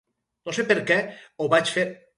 No sé per què ho vaig fer.